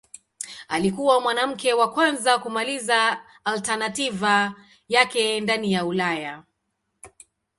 Alikuwa mwanamke wa kwanza kumaliza alternativa yake ndani ya Ulaya.